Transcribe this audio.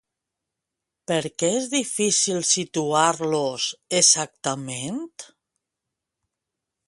Per què és difícil situar-los exactament?